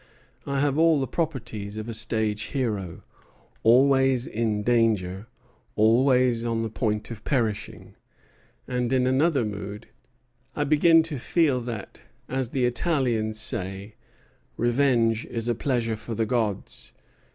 I have all the properties of a stage hero; always in danger, always on the point of perishing." And in another mood: "I begin to feel that, as the Italians say, revenge is a pleasure for the gods.